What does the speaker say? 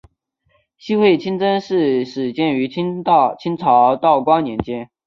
西会清真寺始建于清朝道光年间。